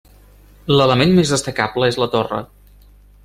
L'element més destacable és la torre.